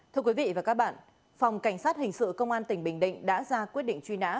thưa quý vị và các bạn phòng cảnh sát hình sự công an tỉnh bình định đã ra quyết định truy nã